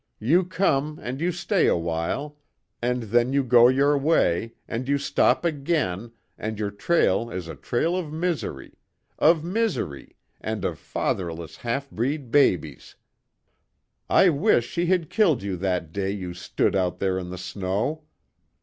You come, and you stay a while, and then you go your way, and you stop again, and your trail is a trail of misery of misery, and of father less half breed babies! I wish she had killed you that day you stood out there in the snow!